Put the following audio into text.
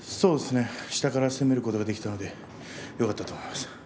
下から攻めることができたのでよかったと思います。